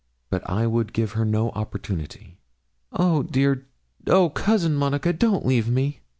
But I would give her no opportunity.' 'Oh, dear! Oh, Cousin Monica, don't leave me.'